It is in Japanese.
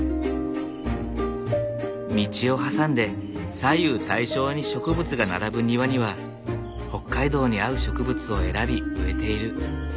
道を挟んで左右対称に植物が並ぶ庭には北海道に合う植物を選び植えている。